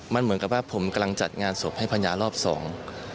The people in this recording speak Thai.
มันเหมือนกับว่าผมกำลังจัดงานศพให้ภรรยารอบสอง